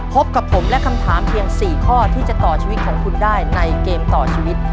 พบกับผมและคำถามเพียง๔ข้อที่จะต่อชีวิตของคุณได้ในเกมต่อชีวิต